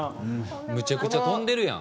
むちゃくちゃ飛んでるやん。